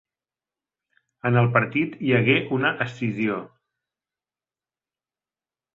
En el partit hi hagué una escissió.